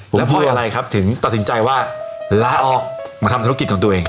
แล้วเพราะอะไรครับถึงตัดสินใจว่าลาออกมาทำธุรกิจของตัวเอง